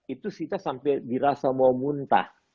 itu sita sampai dirasa mau muntah